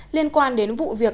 liên quan đến vụ việc sản xuất